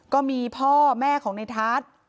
ก็มีพ่อแม่ของในทัศน์